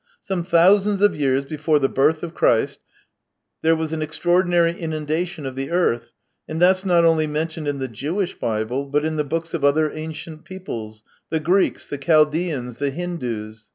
Some thousands of years before the birth of Christ, there was an extraordinary inundation of the earth, and that's not only mentioned in the Jewish Bible, but in the books of other ancient peoples: the Greeks, the Chaldeans, the Hindoos.